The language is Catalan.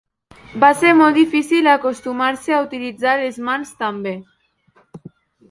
Va ser molt difícil acostumar-se a utilitzar les mans també.